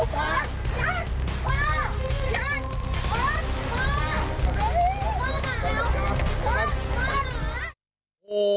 ป้าป้าป้า